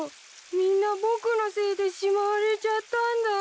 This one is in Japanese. みんな僕のせいでしまわれちゃったんだ。